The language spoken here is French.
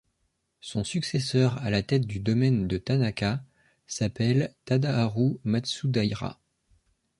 Son successeur à la tête du domaine de Tanaka s'appelle Tadaharu Matsudaira.